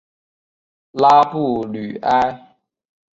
拉布吕埃。